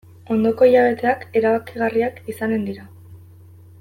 Ondoko hilabeteak erabakigarriak izanen dira.